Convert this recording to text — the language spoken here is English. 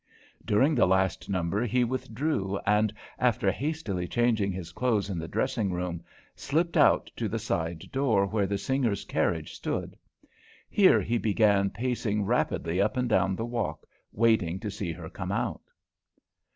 During the last number he withdrew and, after hastily changing his clothes in the dressing room, slipped out to the side door where the singer's carriage stood. Here he began pacing rapidly up and down the walk, waiting to see her come out.